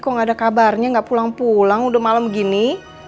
kok gak ada kabarnya gak pulang pulang udah malem gini